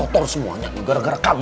itu kotor semuanya gara gara kamu